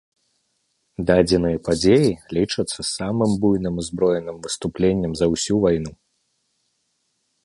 Дадзеныя падзеі лічацца самым буйным узброеным выступленнем за ўсю вайну.